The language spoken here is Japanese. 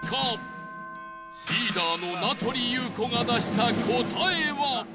リーダーの名取裕子が出した答えは